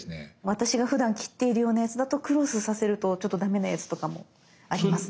私がふだん切っているようなやつだとクロスさせるとちょっとダメなやつとかもありますね。